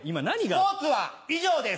スポーツは以上です。